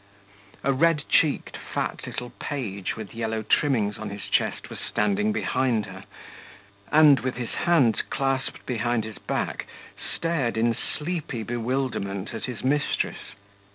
A red cheeked, fat little page with yellow trimmings on his chest was standing behind her, and, with his hands clasped behind his back, stared in sleepy bewilderment at his mistress.